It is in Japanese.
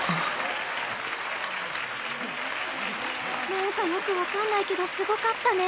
なんかよく分かんないけどすごかったね。